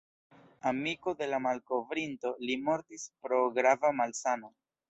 Amiko de la malkovrinto, li mortis pro grava malsano.